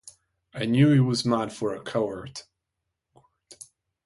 I knew he was mad for a court.